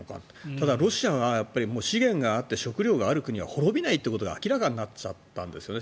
ただ、ロシアは資源があって食料がある国は滅びないということが明らかになっちゃったんですね